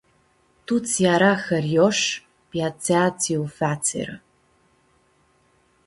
Tuts eara hãriosh pi atsea tsi u-featsirã.